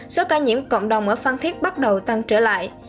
số ca nhiễm cộng đồng ở phan thiết bắt đầu tăng trở lại